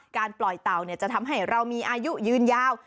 การปล่อยเต่าจะทำให้เรามีอายุยืนยาว